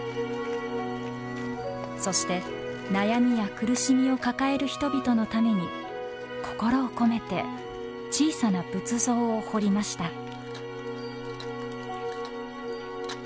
そして悩みや苦しみを抱える人々のために心を込めて小さな仏像を彫りました。